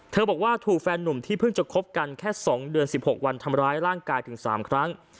บอกว่าถูกแฟนหนุ่มที่เพิ่งจะคบกันแค่๒เดือน๑๖วันทำร้ายร่างกายถึง๓ครั้ง